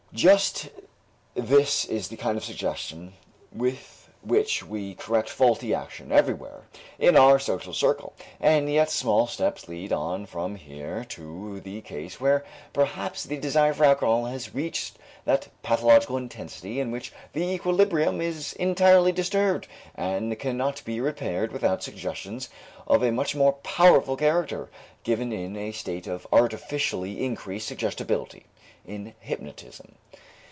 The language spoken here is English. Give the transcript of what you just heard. Just this is the kind of suggestion with which we correct faulty action everywhere in our social circle; and yet small steps lead on from here to the case where perhaps the desire for alcohol has reached that pathological intensity in which the equilibrium is entirely disturbed and cannot be repaired without suggestions of a much more powerful character, given in a state of artificially increased suggestibility in hypnotism.